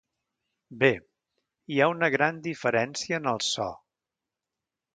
Bé, hi ha una gran diferència en el so.